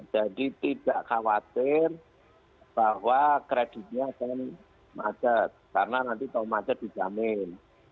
jadi tidak khawatir bahwa kreditnya akan macet karena nanti kalau macet dijamin